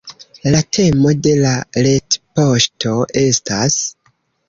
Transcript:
La temo de la retpoŝto estas